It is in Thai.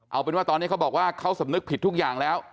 เอาเป็นว่าตอนนี้เขาบอกว่าเขาสำนึกผิดทุกอย่างแล้ว